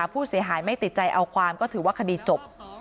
ผู้เสียหายไม่ติดใจเอาความก็ถือว่าคดีจบ